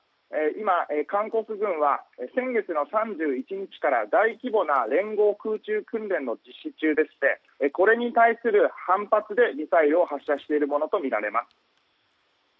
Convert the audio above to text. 今、韓国軍は先月の３１日から大規模な連合空中訓練の実施中でしてこれに対する反発でミサイルを発射しているものとみられます。